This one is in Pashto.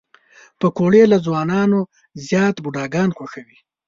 پکورې له ځوانانو نه زیات بوډاګان خوښوي